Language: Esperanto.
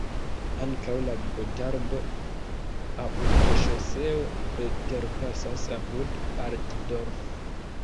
Ankaŭ la Gotardo-autoŝoseo preterpasas apud Altdorf.